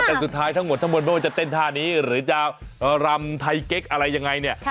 แต่สุดท้ายทั้งหมดทั้งหมดไม่ว่าจะเต้นท่านี้หรือจะรำไทยเก๊กอะไรยังไงเนี่ย